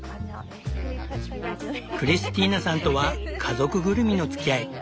クリスティーナさんとは家族ぐるみのつきあい。